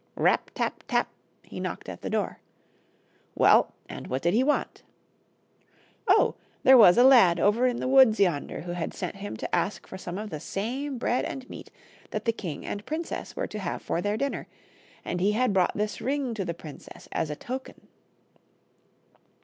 Rap! tap! tap! he knocked at the door. Well, and what did he want? Oh! there was a lad over in the woods yonder who had sent him to ask for some of the same bread and meat that the king and princess were to have for their dinner, and he had brought this ring to the princess as a token.